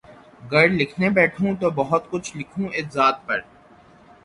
گر لکھنے بیٹھوں تو بہت کچھ لکھوں اس ذات پر